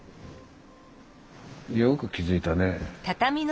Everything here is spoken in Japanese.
よく気付いたね。